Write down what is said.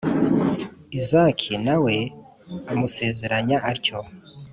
Izaki na we amusezeranya atyo,